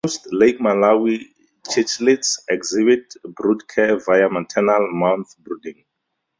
Like most Lake Malawi cichlids, exhibit brood care via maternal mouthbrooding.